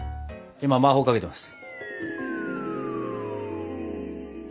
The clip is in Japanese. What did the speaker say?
今魔法かけてます。